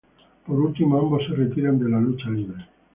Por último, ambos se retiran de la lucha libre.